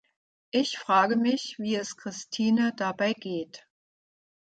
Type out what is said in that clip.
Ich frage mich, wie es Christine dabei geht.